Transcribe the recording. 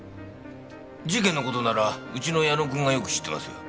事件の事ならうちの矢野君がよく知ってますよ。